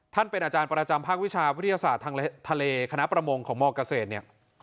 เป็นอาจารย์ประจำภาควิชาวิทยาศาสตร์ทางทะเลคณะประมงของมเกษตรเนี่ย